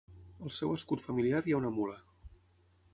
Al seu escut familiar hi ha una mula.